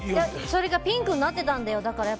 それがピンクになってたんだよ。